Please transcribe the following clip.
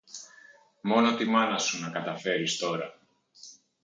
Μόνο τη μάνα σου να καταφέρεις τώρα.